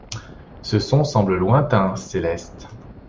Ce son semble lointain, céleste.